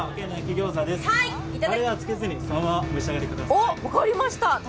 たれはつけずにそのままお召し上がりください。